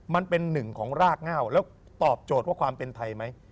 มันเป็นหนึ่งของรากเง่าแล้วตอบโจทย์ว่าความเป็นไทยไหม